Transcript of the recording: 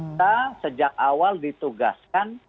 kita sejak awal ditugaskan